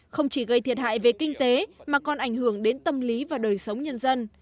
không chỉ gây thiệt hại về kinh tế mà còn ảnh hưởng đến tâm lý và đời sống nhân dân